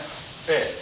ええ。